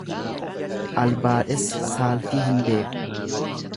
Albaadhessi saalfii hin beeku.